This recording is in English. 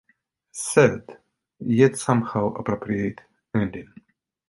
A sad, yet somehow appropriate, ending.